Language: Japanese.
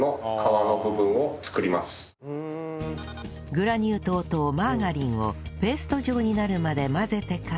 グラニュー糖とマーガリンをペースト状になるまで混ぜてから